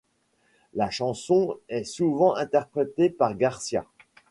La chanson est souvent interprétée par Garcia.